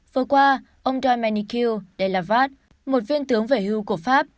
vừa qua ông dominique delavate một viên tướng về hưu của pháp